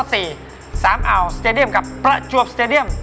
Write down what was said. อ่าวสเตดียมกับประจวบสเตดียม